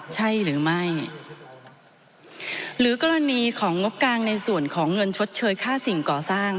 ใช่หรือไม่หรือกรณีของงบกลางในส่วนของเงินชดเชยค่าสิ่งก่อสร้าง